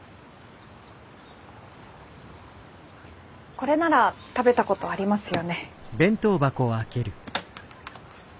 これなら食べたことありますよね？